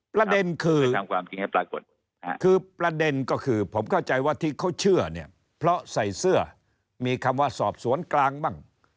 ประเด็นคือปรากฏคือประเด็นก็คือผมเข้าใจว่าที่เขาเชื่อเนี่ยเพราะใส่เสื้อมีคำว่าสอบสวนกลางบ้าง